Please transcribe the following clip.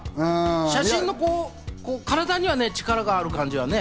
写真の体には力がある感じはね。